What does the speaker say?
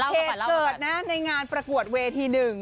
เหตุเกิดนะในงานประกวดเวทีหนึ่ง